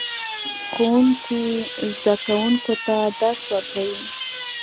ښوونکی زده کوونکو ته درس ورکوي